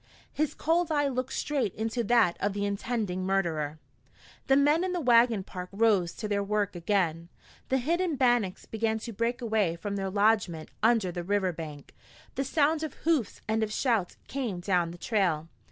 His cold eye looked straight into that of the intending murderer. The men in the wagon park rose to their work again. The hidden Bannacks began to break away from their lodgment under the river bank. The sound of hoofs and of shouts came down the trail.